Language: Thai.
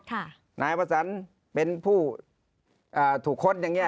พ่อหน่ายสงสัตว์เป็นผู้ถูกค้นอย่างนี้